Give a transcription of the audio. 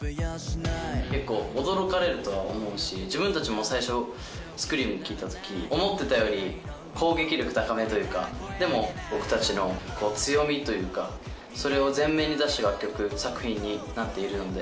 結構、驚かれるとは思うし、自分たちも最初、スクリーム聴いたとき、思ってたより攻撃力高めというか、でも僕たちの強みというか、それを前面に出した楽曲、作品になっているので。